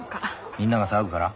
みんなが騒ぐから？